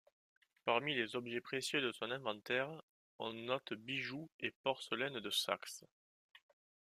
Parmi les objets précieux de son inventaire, on note bijoux et porcelaines de Saxe.